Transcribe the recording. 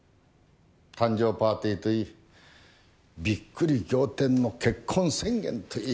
誕生パーティーといいビックリ仰天の結婚宣言といい。